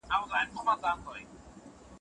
نړیوال قوانین د نړیوال امنیت لپاره یو ضرورت دی.